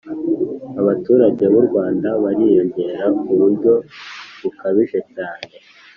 abaturage b'u rwanda bariyongera kuburyo bukabije cyane.